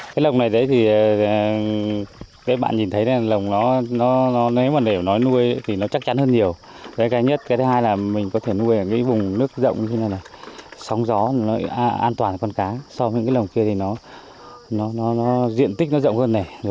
sống gió an toàn con cá so với những cái lồng kia thì diện tích nó rộng hơn này